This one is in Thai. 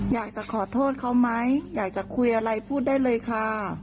อยากจะขอโทษเขาไหมอยากจะคุยอะไรพูดได้เลยค่ะ